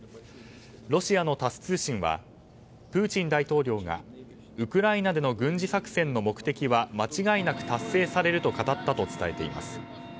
ロシアのタス通信はプーチン大統領がウクライナでの軍事作戦の目的は間違いなく達成されると語ったと伝えています。